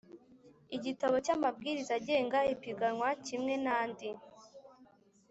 igitabo cy amabwiriza agenga ipiganwa kimwe n andi